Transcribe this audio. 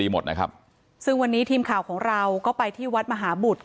แต่มันถือปืนมันไม่รู้นะแต่ตอนหลังมันจะยิงอะไรหรือเปล่าเราก็ไม่รู้นะ